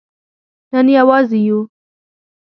نن یوازې یو